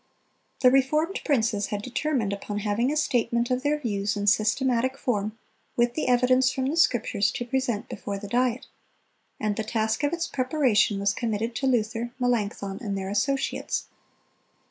The reformed princes had determined upon having a statement of their views in systematic form, with the evidence from the Scriptures, to present before the Diet; and the task of its preparation was committed to Luther, Melanchthon, and their associates.